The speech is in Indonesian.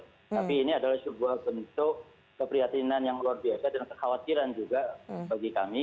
tapi ini adalah sebuah bentuk keprihatinan yang luar biasa dan kekhawatiran juga bagi kami